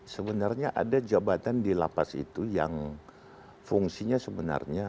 sebenarnya ada jabatan di lapas itu yang fungsinya sebenarnya